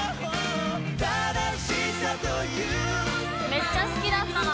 「めっちゃ好きだったな」